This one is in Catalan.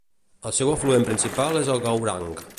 El seu afluent principal és el Gaurang.